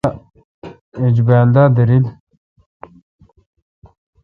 ایج بیل دا دریل۔